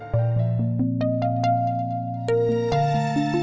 kakak kecewa sama kamu